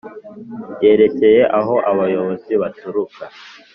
yerekeye aho abayobozi baturuka